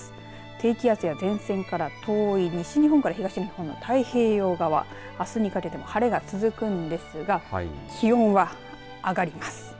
低気圧や前線から遠い西日本から東日本の太平洋側あすにかけても晴れが続くんですが気温は上がります。